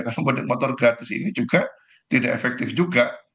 karena modik motor gratis ini juga tidak efektif juga